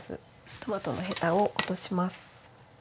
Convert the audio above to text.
トマトのヘタを落とします。